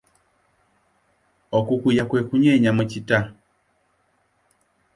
Okukuya kwe kunyenya mu kita.